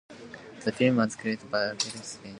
The film was created by applying oil paint on acrylic glass.